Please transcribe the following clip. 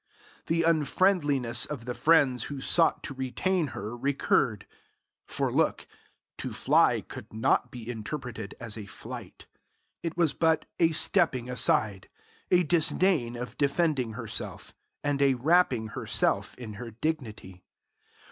The unfriendliness of the friends who sought to retain her recurred. For look to fly could not be interpreted as a flight. It was but a stepping aside, a disdain of defending herself, and a wrapping herself in her dignity.